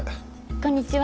こんにちは。